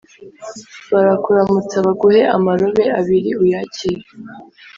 Barakuramutsa baguhe amarobe abiri uyakire